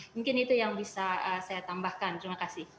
mungkin itu yang bisa saya tambahkan terima kasih